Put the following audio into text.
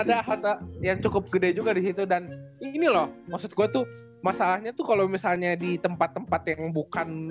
kan ada hotel yang cukup gede juga disitu dan ini loh maksud gue tuh masalahnya tuh kalo misalnya di tempat tempat yang bukan